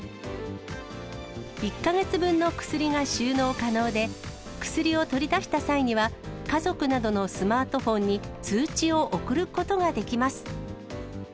１か月分の薬が収納可能で、薬を取り出した際には、家族などのスマートフォンに通知を送ることができます。